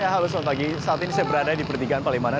halo selamat pagi saat ini saya berada di pertigaan palimanan